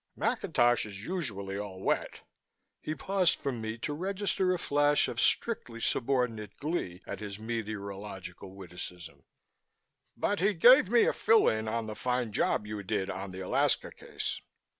"McIntosh is usually all wet" he paused for me to register a flash of strictly subordinate glee at his meteorological witticism "but he gave me a fill in on the fine job you did on the Alaska case."